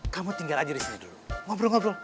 kamu tinggal aja disini dulu ngobrol ngobrol